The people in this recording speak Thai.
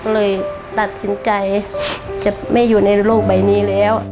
ก็เลยตัดสินใจจะไม่อยู่ในโลกใบนี้แล้ว